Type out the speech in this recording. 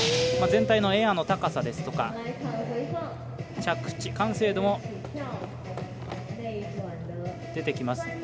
全体のエアの高さですとか着地、完成度も出てきます。